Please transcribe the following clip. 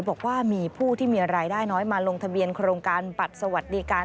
บอกว่ามีผู้ที่มีรายได้น้อยมาลงทะเบียนโครงการบัตรสวัสดิการ